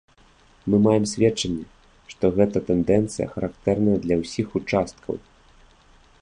Мы маем сведчанне, што гэта тэндэнцыя, характэрная для ўсіх участкаў.